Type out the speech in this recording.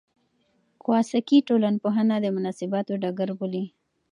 کواساکي ټولنپوهنه د مناسباتو ډګر بولي.